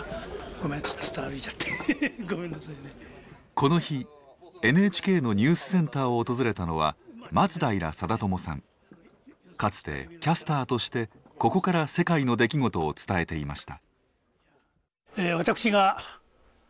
この日ＮＨＫのニュースセンターを訪れたのはかつてキャスターとしてここから世界の出来事を伝えていました。